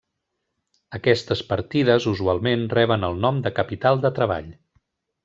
Aquestes partides usualment reben el nom de capital de treball.